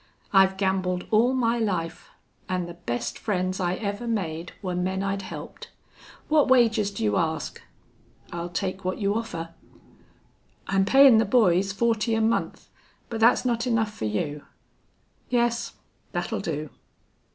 "I've gambled all my life. An' the best friends I ever made were men I'd helped.... What wages do you ask?" "I'll take what you offer." "I'm payin' the boys forty a month, but thet's not enough fer you." "Yes, that'll do."